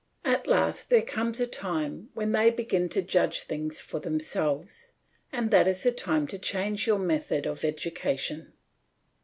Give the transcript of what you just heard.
At last there comes a time when they begin to judge things for themselves, and that is the time to change your method of education.